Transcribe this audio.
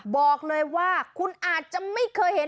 บอกเลยว่าคุณอาจจะไม่เคยเห็น